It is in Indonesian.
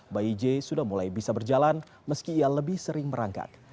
bayi j sudah mulai bisa berjalan meski ia lebih sering merangkak